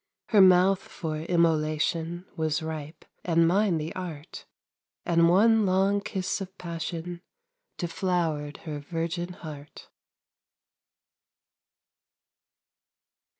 Her mouth for immolation Was ripe, and mine the art; And one long kiss of passion Deflowered her virgin heart.